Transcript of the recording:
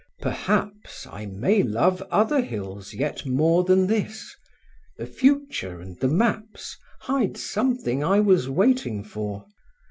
Perhaps I may love other hills yet more Than this: the future and the maps Hide something I was waiting for.